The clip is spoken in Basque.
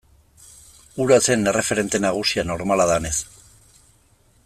Hura zen erreferente nagusia, normala denez.